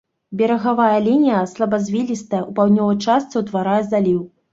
Берагавая лінія слабазвілістая, у паўднёвай частцы ўтварае заліў.